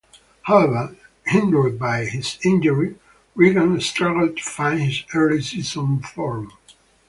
However, hindered by his injury, Regan struggled to find his early season form.